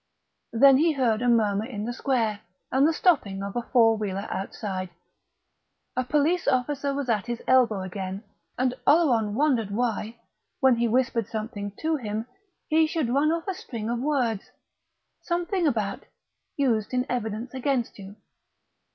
Then he heard a murmur in the square, and the stopping of a four wheeler outside. A police officer was at his elbow again, and Oleron wondered why, when he whispered something to him, he should run off a string of words something about "used in evidence against you."